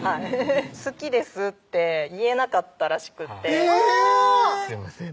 「好きです」って言えなかったらしくってすいません